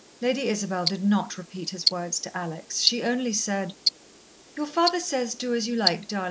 Lady Isabel did not repeat his words to Alex. She only said: "Your father says, do as you like, darlin'.